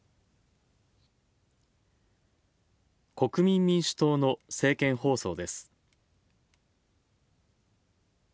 国民民主党の政見放送です。